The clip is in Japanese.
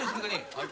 はい。